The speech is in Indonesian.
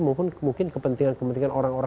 maupun mungkin kepentingan kepentingan orang orang